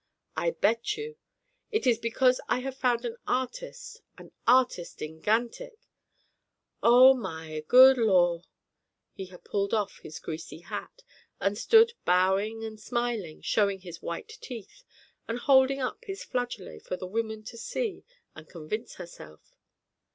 I bet you. It is because I have found an artist an artist in Gantick! O my good Lor!" He had pulled off his greasy hat, and stood bowing and smiling, showing his white teeth, and holding up his flageolet for the woman to see and convince herself.